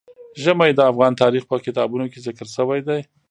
ژمی د افغان تاریخ په کتابونو کې ذکر شوی دي.